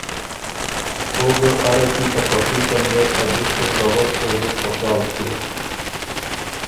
او ګه اره کی ته خوشي په نئت ا دِس خُړتَوک او زُت خوشال ݭیوک۔